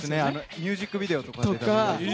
ミュージックビデオとかでも。